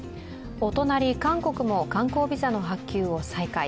お隣・韓国も観光ビザの発給を再開。